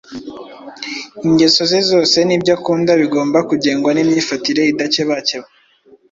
ingeso ze zose n’ibyo akunda bigomba kugengwa n’imyifatire idakebakeba.